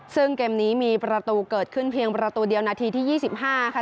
ซึ่งเกมนี้มีประตูเกิดขึ้นเพียงประตูเดียวนาทีที่๒๕ค่ะ